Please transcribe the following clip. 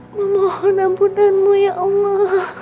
memohon ampunanmu ya allah